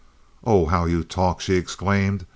"Oh, how you talk!" she exclaimed.